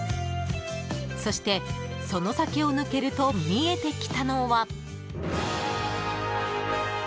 そして、その先を抜けると見えてきたのは。